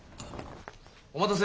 お待たせ。